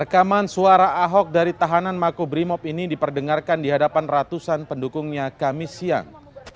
rekaman suara ahok dari tahanan makobrimob ini diperdengarkan di hadapan ratusan pendukungnya kami siang